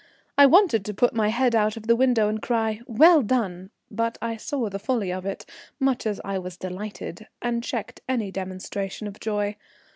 I wanted to put my head out of the window and cry, "Well done!" But I saw the folly of it, much as I was delighted, and checked any demonstration of joy.